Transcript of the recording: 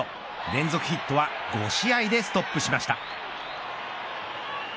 連続ヒットは５試合でストップしました。